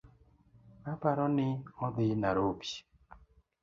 Aparoni odhi narobi